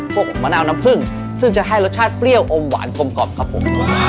มะนาวน้ำผึ้งซึ่งจะให้รสชาติเปรี้ยวอมหวานกลมกล่อมครับผม